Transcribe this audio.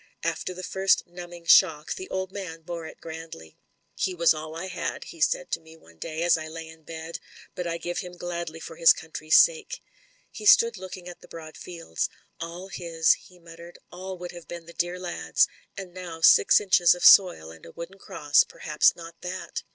After the first numbing shock, the old man bore it grandly. ''He was all I had," he said to me one day as I lay in bed, "but I give him gladly for his country's sake." He stood looking at the broad fields. ''All his," he muttered ; "all would have been the dear lad's — ^and now six inches of soil and a wooden cross, per haps not that."